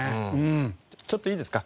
ちょっといいですか？